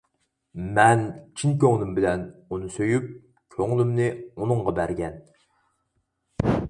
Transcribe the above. مەن چىن كۆڭلۈم بىلەن ئۇنى سۆيۈپ، كۆڭلۈمنى ئۇنىڭغا بەرگەن.